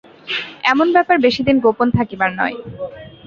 এমন ব্যাপার বেশিদিন গোপন থাকিবার নয়।